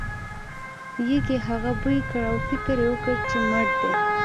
یږې هغه بوی کړ او فکر یې وکړ چې مړ دی.